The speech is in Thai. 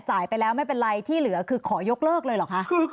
จ่ายไปแล้วไม่เป็นไรที่เหลือคือขอยกเลิกเลยเหรอคะ